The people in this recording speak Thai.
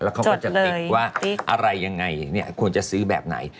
แล้วเขาก็จะติ๊กว่าอะไรยังไงควรจะซื้อแบบไหน